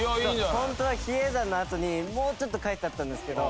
ホントは比叡山のあとにもうちょっと書いてあったんですけど。